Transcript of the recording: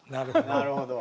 なるほど。